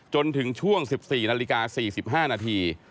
จนถึงช่วง๑๔นาฬิกา๔๕นาที